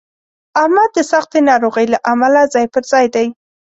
احمد د سختې ناروغۍ له امله ځای په ځای دی.